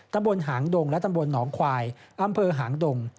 ตำบลหางดงและตำบลหนองควายอำเภอหางดง